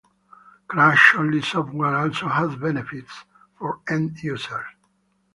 Crash-only software also has benefits for end-users.